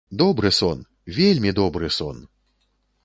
Добры сон, вельмі добры сон!